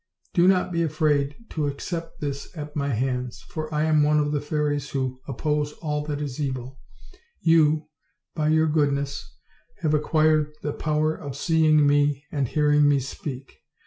Do not be afraid to accept this at my hands, for I am one of the fairies who oppose all that is evil. You, by your goodness, have acquired the power of seeing me and hearing me speak.